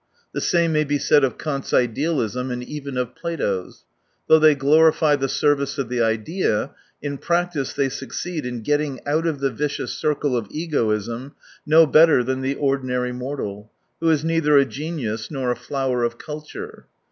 The same may be said of Kant's idealism, and even of Plato's. Though they glorify the service of the idea, in practice they succeed in getting out of the vicious circle of egoism no better than the ordinary mortal, who is neither a genius nor a flower of culture.